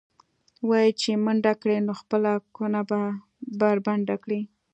وایي چې منډه کړې، نو خپله کونه به بربنډه کړې.